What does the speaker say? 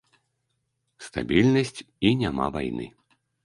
Стабільнасць і няма вайны.